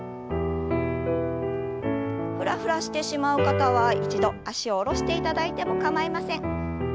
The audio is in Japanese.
フラフラしてしまう方は一度脚を下ろしていただいても構いません。